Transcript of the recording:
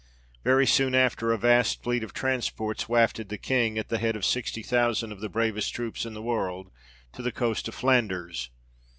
Very soon after a vast fleet of transports wafted the King, at the head of sixty thousand of the bravest troops in the world, to the coast of Flanders.